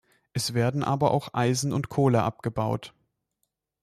Es werden aber auch Eisen und Kohle abgebaut.